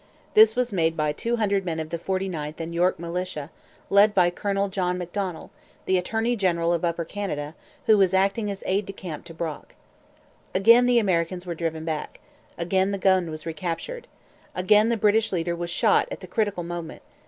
This was made by two hundred men of the 49th and York militia, led by Colonel John Macdonell, the attorney general of Upper Canada, who was acting as aide de camp to Brock. Again the Americans were driven back. Again the gun was recaptured. Again the British leader was shot at the critical moment.